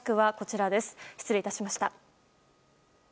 失礼いたしました。